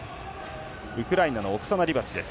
ウクライナのオクサナ・リバチです。